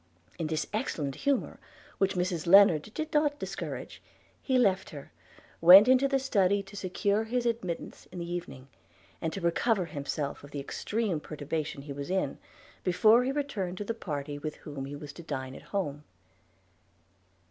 In this excellent humour, which Mrs Lennard did not discourage, he left her, went into the study to secure his admittance in the evening, and to recover himself of the extreme perturbation he was in, before he returned to the party with whom he was to dine at home.